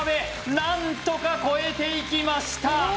何とか越えていきました